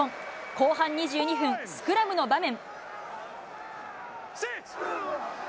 後半２２分、スクラムの場面。